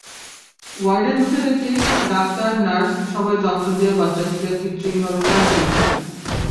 ওয়ার্ডে ঢুকে দেখি, ডাক্তার-নার্স সবাই যন্ত্র দিয়ে বাচ্চাটিকে কৃত্রিমভাবে শ্বাস দিচ্ছেন।